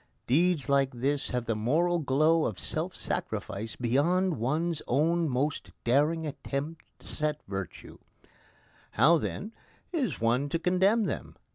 Deeds like this have the moral glow of self sacrifice beyond one's own most daring attempts at virtue. How, then, is one to condemn them?